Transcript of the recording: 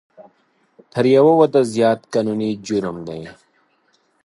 تر یو واده زیات قانوني جرم دی